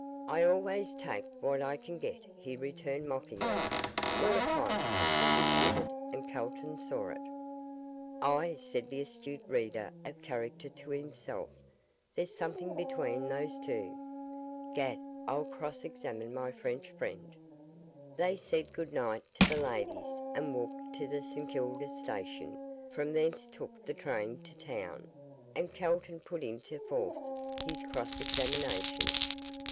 'I always take what I can get,' he returned, mockingly; whereon she shivered, and Calton saw it. 'Ah!' said that astute reader of character to himself, 'there's something between those two. 'Gad! I'll cross examine my French friend.' They said good night to the ladies, and walked to the St Kilda station, from thence took the train to town, and Calton put into force his cross examination.